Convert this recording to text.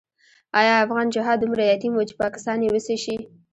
آیا افغان جهاد دومره یتیم وو چې پاکستان یې وصي شي؟